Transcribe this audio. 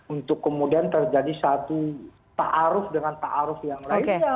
untuk kemudian terjadi satu ta'aruf dengan ta'aruf yang lainnya